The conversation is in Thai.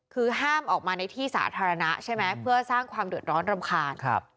คือห้ามออกมาในที่สาธารณะใช่ไหมเพื่อสร้างความเดือดร้อนรำคาญ